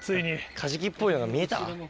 カジキっぽいのが見えた？